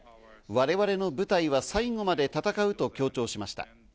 我々の部隊は最後まで戦うと強調しました。